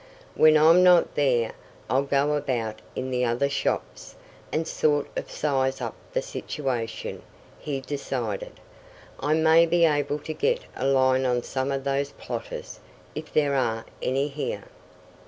"When I'm not there I'll go about in the other shops, and sort of size up the situation," he decided. "I may be able to get a line on some of those plotters, if there are any here."